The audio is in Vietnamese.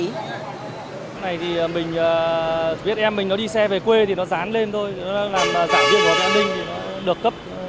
cái này thì mình biết em mình nó đi xe về quê thì nó dán lên thôi nó làm giảng viên của học viện an ninh thì nó được cấp nó dán lên